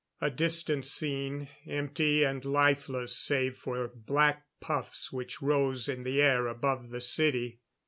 ] A distant scene, empty and lifeless save for black puffs which rose in the air above the city.